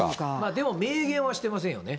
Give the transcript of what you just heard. でも名言はしてませんよね。